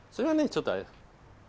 ちょっとあれだ。